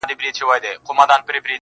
چـي اخترونـه پـه واوښـتــل~